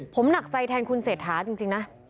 ผมหนักใจแทนคุณเศรษฐาจริงนะ